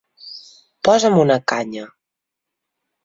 Posa'm una canya!